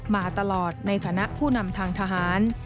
มาตลอดในฐานะผู้นำทางทหาร